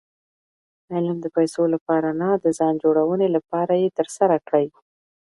علم د پېسو له پاره نه، د ځان جوړوني له پاره ئې ترسره کړئ.